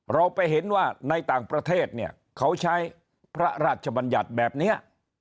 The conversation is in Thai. เราไปเห็นว่าในต่างประเทศเนี่ยเขาใช้พระราชบัญญัติแบบนี้